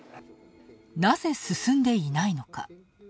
なぜ、進んでいないのか。